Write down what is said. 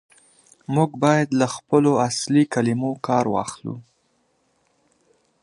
موږ بايد له خپلو اصلي کلمو کار واخلو.